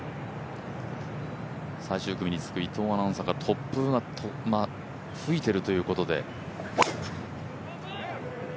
最終組につく伊藤アナウンサーから突風が吹いているということで。